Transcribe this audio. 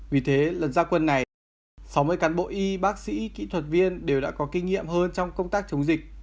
vì thế lần gia quân này sáu mươi cán bộ y bác sĩ kỹ thuật viên đều đã có kinh nghiệm hơn trong công tác chống dịch